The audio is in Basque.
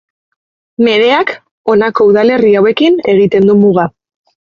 Medeak honako udalerri hauekin egiten du muga.